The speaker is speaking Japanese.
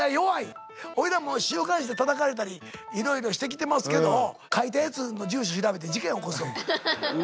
俺らもう週刊誌でたたかれたりいろいろしてきてますけど書いたやつの住所調べて事件起こすと思う。